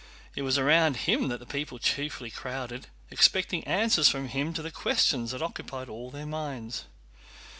It was around him that the people chiefly crowded, expecting answers from him to the questions that occupied all their minds.